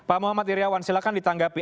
pak muhammad iryawan silahkan ditanggapi